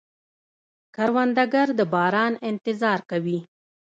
کروندګر د باران انتظار کوي